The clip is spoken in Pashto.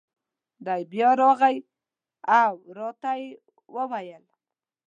دی بیا راغی او را ته یې وویل: